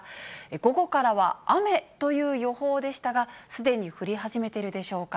午後からは雨という予報でしたが、すでに降り始めているでしょうか。